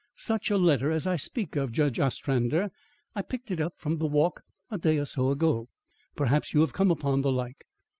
"Such a letter as I speak of, Judge Ostrander. I picked it up from the walk a day or so ago. Perhaps you have come upon the like?"